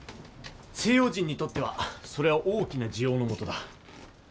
西洋人にとってはそれは大きな滋養のもとだ。